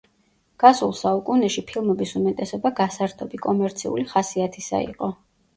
გასულ საუკუნეში ფილმების უმეტესობა გასართობი, კომერციული ხასიათისა იყო.